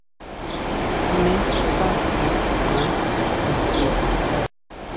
¿Jmé xá xi siʼan ntʼe?